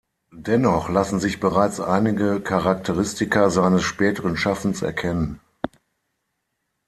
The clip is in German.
Dennoch lassen sich bereits einige Charakteristika seines späteren Schaffens erkennen.